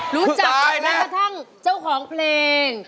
รู้จักแม้กระทั่งเจ้าของเพลง